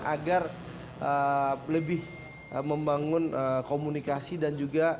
agar lebih membangun komunikasi dan perhubungan penduduk